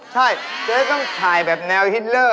ใช่เจ๊ต้องถ่ายแบบแนวฮิตเลอร์